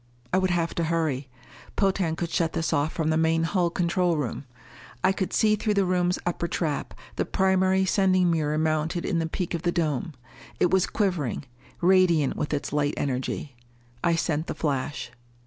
I would have to hurry. Potan could shut this off from the main hull control room. I could see, through the room's upper trap, the primary sending mirror mounted in the peak of the dome. It was quivering, radiant with its light energy. I sent the flash.